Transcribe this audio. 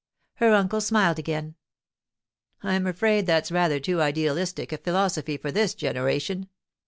Her uncle smiled again. 'I'm afraid that's rather too idealistic a philosophy for this generation.